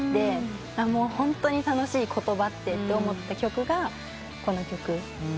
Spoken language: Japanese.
ホントに楽しい言葉って思った曲がこの曲。